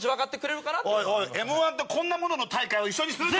Ｍ−１とこんなものの大会を一緒にするんじゃないよ！